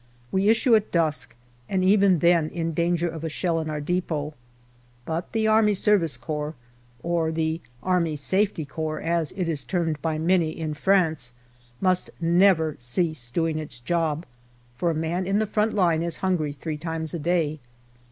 We issue at dusk, and even then hi danger of a shell in our depot. But the A.S.C., or the " Army Safety Corps " as it is termed by many in France, must never cease doing its job, for a man in the front line is hungry three times a day.